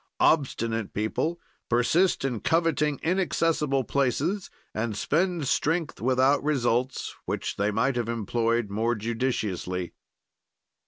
"Obstinate people persist in coveting inaccessible places and spend strength without results, which they might have employed more judiciously.